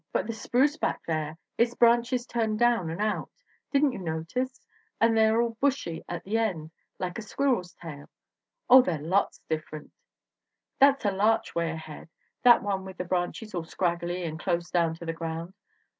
But the spruce back there its branches turned down and out didn't you notice? and they are all bushy at the end like a squirrel's tail. Oh, they're lots different. " 'That's a larch way ahead that one with the branches all scraggly and close down to the ground.